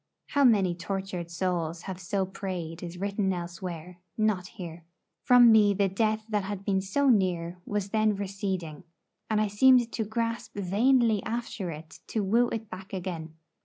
How many tortured souls have so prayed is written elsewhere, not here. From me the death that had been so near was then receding, and I seemed to grasp vainly after it to woo it back again.